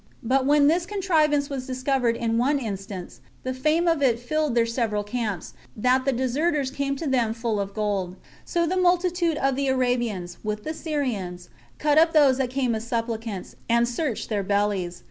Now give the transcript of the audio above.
But when this contrivance was discovered in one instance, the fame of it filled their several camps, that the deserters came to them full of gold. So the multitude of the Arabians, with the Syrians, cut up those that came as supplicants, and searched their bellies.